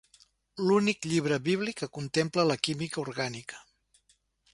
L'únic llibre bíblic que contempla la química orgànica.